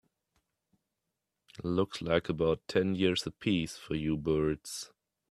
Looks like about ten years a piece for you birds.